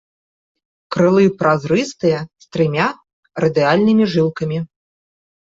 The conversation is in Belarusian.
Крылы празрыстыя з трыма радыяльнымі жылкамі.